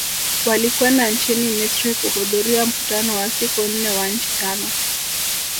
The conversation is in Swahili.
Walikwenda nchini Misri kuhudhuria mkutano wa siku nne wa nchi tano